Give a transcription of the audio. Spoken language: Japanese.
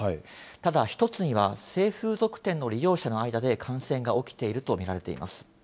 ただ、１つには性風俗店の利用者の間で感染が起きていると見られます。